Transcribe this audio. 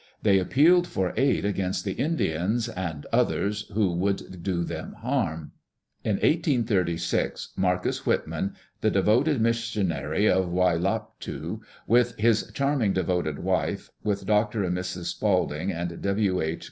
They appealed for aid against the Indians "and others who would do them harm." In 1836 Marcus Whitman, the devoted missionary of Waiilatpu, with his charming, devoted wife, with Dr. and Mrs. Spalding, and W. H.